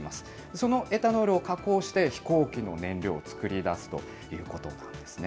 そのエタノールを加工して、飛行機の燃料を作り出すということなんですね。